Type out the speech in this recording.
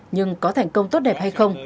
nhưng có thành công tốt đẹp hay không